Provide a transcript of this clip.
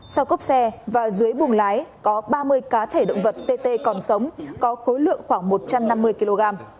sau cốc xe và dưới buồng lái có ba mươi cá thể động vật tt còn sống có khối lượng khoảng một trăm năm mươi kg